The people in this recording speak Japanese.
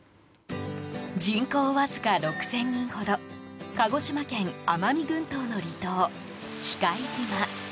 人口わずか６０００人ほど鹿児島県奄美群島の離島喜界島。